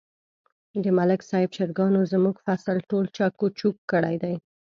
د ملک صاحب چرگانو زموږ فصل ټول چک چوک کړی دی.